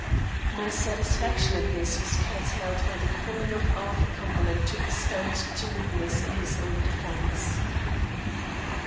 My satisfaction at this was curtailed by the calling of Arthur Cumberland to the stand to witness in his own defence.